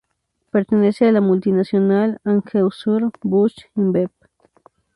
Pertenece a la multinacional Anheuser-Busch InBev.